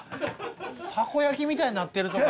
たこ焼きみたいになってるとか言う時に俺。